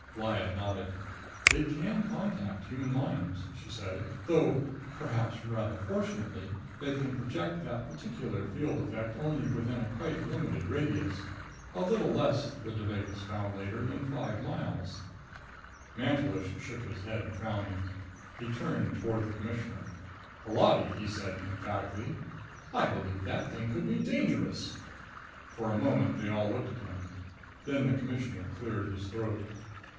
Lyad nodded. "It can contact human minds," she said, "though, perhaps rather fortunately, it can project that particular field effect only within a quite limited radius. A little less, the Devagas found later, than five miles." Mantelish shook his head, frowning. He turned toward the Commissioner. "Holati," he said emphatically, "I believe that thing could be dangerous!" For a moment, they all looked at him. Then the Commissioner cleared his throat.